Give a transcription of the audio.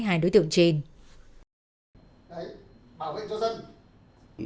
hai đối tượng sinh